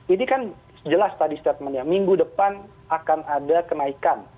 ini kan jelas tadi statementnya minggu depan akan ada kenaikan